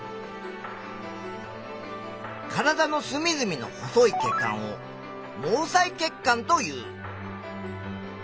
体のすみずみの細い血管を「毛細血管」という。